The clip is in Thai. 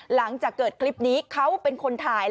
หลังจากเกิดคลิปนี้เขาเป็นคนถ่าย